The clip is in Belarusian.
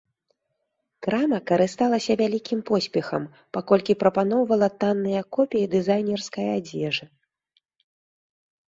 Крама карысталася вялікім поспехам, паколькі прапаноўвала танныя копіі дызайнерскай адзежы.